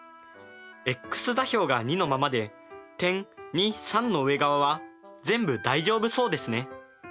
ｘ座標が２のままで点の上側は全部大丈夫そうですね。